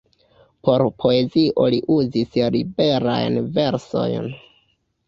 Por poezio li uzis liberajn versojn.